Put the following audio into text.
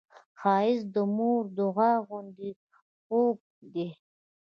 ښایست د مور د دعا غوندې خوږ دی